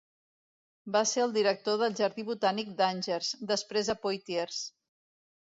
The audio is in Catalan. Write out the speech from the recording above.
Va ser el Director del jardí botànic d'Angers, després de Poitiers.